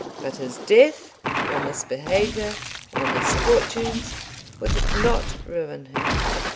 But his death, or misbehaviour, or misfortunes would not ruin her.